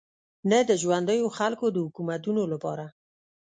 نه د ژونديو خلکو د حکومتونو لپاره.